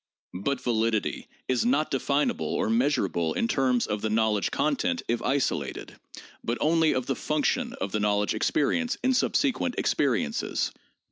But validity is not de finable or measurable in terms of the knowledge content if isolated, but only of the function of the knowledge experience in subsequent experiences.